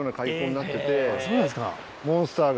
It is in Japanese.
あっそうなんですか。